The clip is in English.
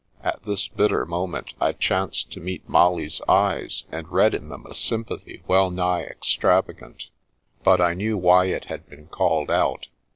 At this bitter moment I chanced to meet Molly's eyes and read in them a sympathy well nigh ex travagant. But I knew why it had been called out.